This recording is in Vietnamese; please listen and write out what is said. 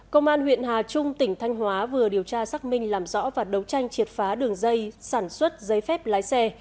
công an huyện hà trung tỉnh thanh hóa vừa điều tra xác minh làm rõ và đấu tranh triệt phá đường dây sản xuất giấy phép lái xe